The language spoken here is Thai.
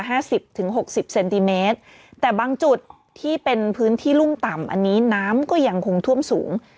สิบถึงหกสิบเซนติเมตรแต่บางจุดที่เป็นพื้นที่รุ่มต่ำอันนี้น้ำก็ยังคงท่วมสูง